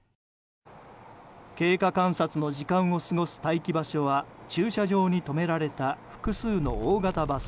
経過観察の時間を過ごす待機場所は駐車場に止められた複数の大型バス。